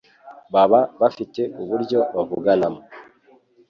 baba bafite uburyo bavuganamo